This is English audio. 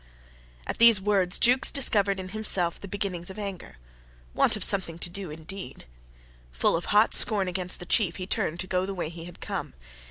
..." At these words Jukes discovered in himself the beginnings of anger. Want of something to do indeed. ... Full of hot scorn against the chief, he turned to go the way he had come.